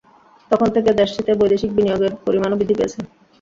তখন থেকে দেশটিতে বৈদেশিক বিনিয়োগের পরিমাণও বৃদ্ধি পেয়েছে।